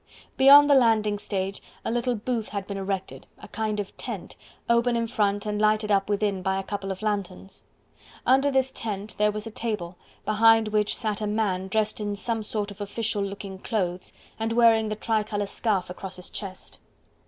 Beyond the landing stage a little booth had been erected, a kind of tent, open in front and lighted up within by a couple of lanthorns. Under this tent there was a table, behind which sat a man dressed in some sort of official looking clothes, and wearing the tricolour scarf across his chest.